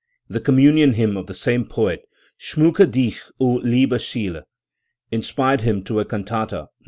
The communion hymn of the same poet, "Schmiicke dich, o lie be Socle", in spired him to a cantata (No.